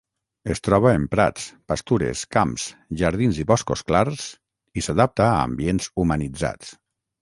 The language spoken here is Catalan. Es troba en prats, pastures, camps, jardins i boscos clars, i s'adapta a ambients humanitzats.